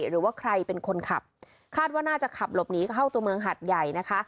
หรือว่าใครเป็นคนขับคาดว่าน่าจะขับหลบหนีเข้าตัวเมืองหัดใหญ่นะคะ